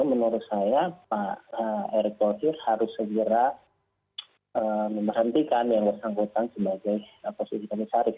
menurut saya pak erick thohir harus segera memerhentikan yang bersangkutan sebagai posisi komisaris